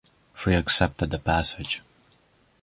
Three accepted the passage.